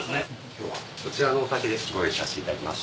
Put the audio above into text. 今日はこちらのお酒でご用意させていただきます。